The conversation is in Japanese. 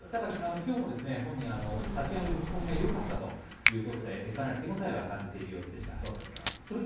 きょうも本人立ち合いの踏み込みがよかったということで、かなり手応えは感じている様子でした。